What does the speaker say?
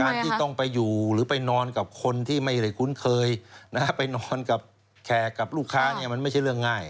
ที่ต้องไปอยู่หรือไปนอนกับคนที่ไม่ได้คุ้นเคยไปนอนกับแขกกับลูกค้าเนี่ยมันไม่ใช่เรื่องง่าย